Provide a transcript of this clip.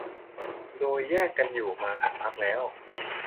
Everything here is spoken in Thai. โดยแยกกันอยู่มาสักพักแล้ว